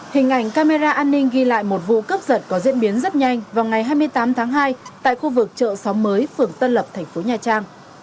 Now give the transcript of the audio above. hình ảnh camera an ninh ghi lại một vụ cướp giật có diễn biến rất nhanh vào ngày hai mươi tám tháng hai tại khu vực chợ xóm mới phường tân lập thành phố nha trang